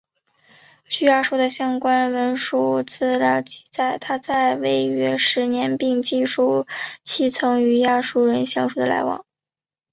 据亚述的相关文书资料记载他在位约十年并记述其曾与亚述人相互往来。